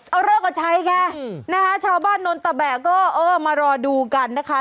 เอาเลิกก็ใช้แค่ชาวบ้านโน้นตะแบะก็มารอดูกันนะคะ